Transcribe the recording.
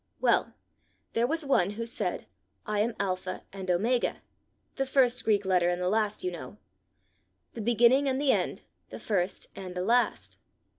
Well, there was one who said, 'I am Alpha and Omega,' the first Greek letter and the last, you know 'the beginning and the end, the first and the last.